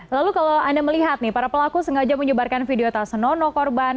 lalu kalau anda melihat nih para pelaku sengaja menyebarkan video tas nono korban